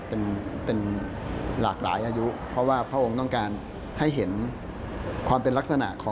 เป็นเป็นหลากหลายอายุเพราะว่าพระองค์ต้องการให้เห็นความเป็นลักษณะของ